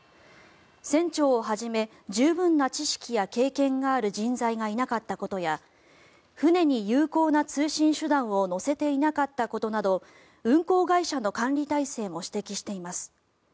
船長をはじめ十分な知識や経験がある人材がいなかったことや船に有効な通信手段を載せていなかったことなど運航会社の管理体制も指摘しています。